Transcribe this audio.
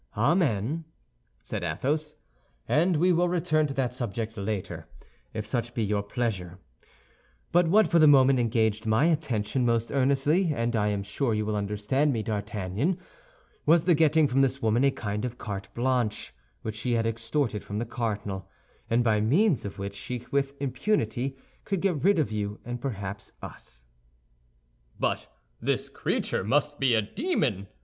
"Amen!" said Athos, "and we will return to that subject later, if such be your pleasure; but what for the moment engaged my attention most earnestly, and I am sure you will understand me, D'Artagnan, was the getting from this woman a kind of carte blanche which she had extorted from the cardinal, and by means of which she could with impunity get rid of you and perhaps of us." "But this creature must be a demon!"